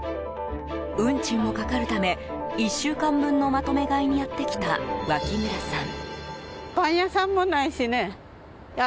運賃もかかるため１週間分のまとめ買いにやってきた脇村さん。